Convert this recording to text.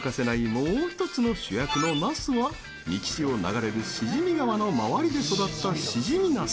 もう一つの主役のナスは三木市を流れる志染川の周りで育った志染ナス。